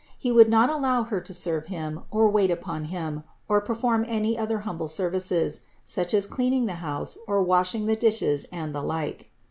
He would not allow Her to serve him, or wait upon him, or perform any other humble services, such as cleaning the house or washing the dishes and the like.